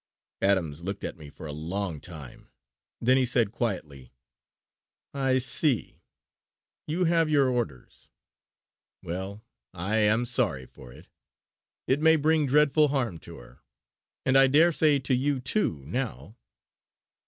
Adams looked at me for a long time. Then he said quietly: "I see. You have your orders! Well, I am sorry for it; it may bring dreadful harm to her, and I daresay to you too, now.